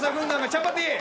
チャパティ！